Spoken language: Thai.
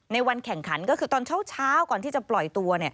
วันแข่งขันก็คือตอนเช้าก่อนที่จะปล่อยตัว